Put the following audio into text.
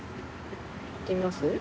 いってみます？